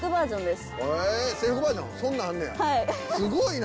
すごいな！